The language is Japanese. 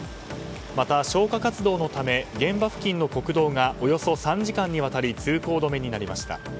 また、消火活動のため現場付近の国道がおよそ３時間にわたり通行止めになりました。